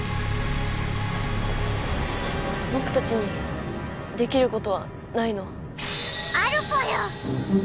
ぼくたちにできることはないの？